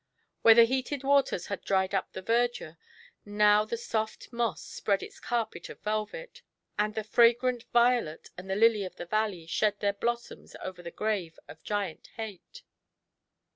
Where the heated waters had dried up the verdure, now the soft moss spread its carpet of velvet ; and the fragrant violet and the lily of the valley shed their blossoms over the grave of Giant Hate